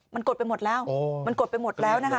มันกดไปหมดแล้วมันกดไปหมดแล้วนะคะ